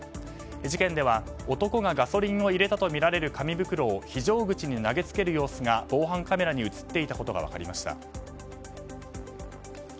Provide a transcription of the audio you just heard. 事件では男がガソリンを入れたとみられる紙袋を非常扉に投げつける様子が防犯カメラに映っていました。